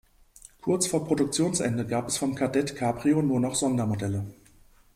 Kurz vor Produktionsende gab es vom Kadett Cabrio nur noch Sondermodelle.